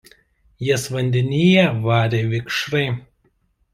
Jas vandenyje varė vikšrai.